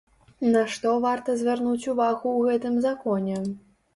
На што варта звярнуць увагу ў гэтым законе?